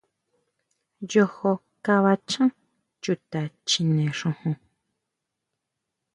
Yojo kabachan chuta chjine xojon.